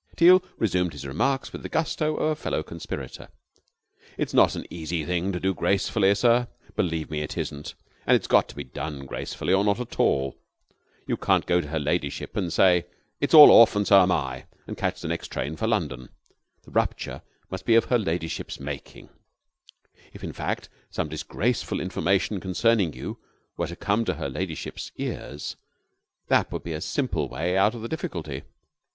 Teal resumed his remarks with the gusto of a fellow conspirator. "It's not an easy thing to do gracefully, sir, believe me, it isn't. And it's got to be done gracefully, or not at all. You can't go to her ladyship and say 'It's all off, and so am I,' and catch the next train for London. The rupture must be of her ladyship's making. If some fact, some disgraceful information concerning you were to come to her ladyship's ears, that would be a simple way out of the difficulty."